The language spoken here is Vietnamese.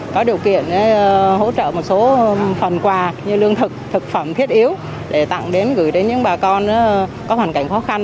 có điều kiện hỗ trợ một số phần quà như lương thực thực phẩm thiết yếu để tặng đến gửi đến những bà con có hoàn cảnh khó khăn